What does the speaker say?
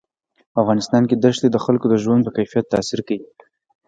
په افغانستان کې دښتې د خلکو د ژوند په کیفیت تاثیر کوي.